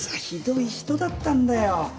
ひどい人だったんだよ